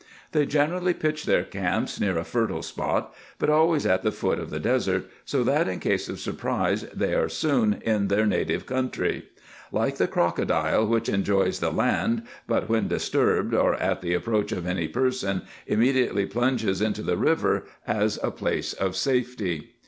They generally pitch their camps near a fertile spot, but always at the foot of the desert, so that in case of surprise they are soon in their native country : like the crocodile, winch enjoys the land, but when disturbed, or at the approach of any person, immediately plunges into the river, as a place of safety.